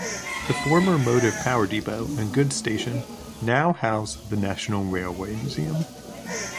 The former motive power depot and goods station now house the National Railway Museum.